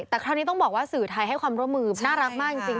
แต่คราวนี้ต้องบอกว่าสื่อไทยให้ความร่วมมือน่ารักมากจริง